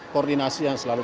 koordinasi yang selalu